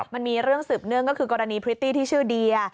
มันมีเรื่องสืบเนื่องก็คือกรณีพริตตี้ที่ชื่อเดีย